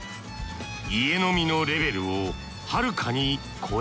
家飲みのレベルをはるかに超えています